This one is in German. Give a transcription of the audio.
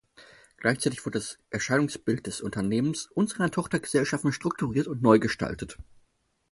Gleichzeitig wurde das Erscheinungsbild des Unternehmens und seiner Tochtergesellschaften strukturiert und neu gestaltet.